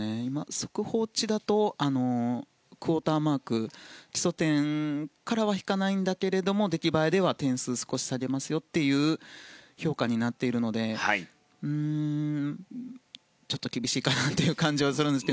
速報値だとクオーターマーク基礎点からは引かないんだけれども出来栄えでは点数を少し下げますという評価になるのでちょっと厳しいかなという感じがします。